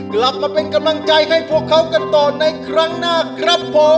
กลับมาเป็นกำลังใจให้พวกเขากันต่อในครั้งหน้าครับผม